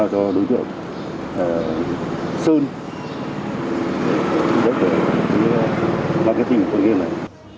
có đối tượng sun để marketing con game này